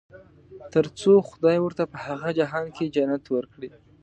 تر څو خدای ورته په هغه جهان کې جنت ورکړي.